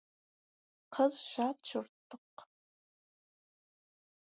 Қыз — жат жұрттық.